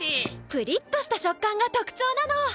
プリッとした食感が特徴なの。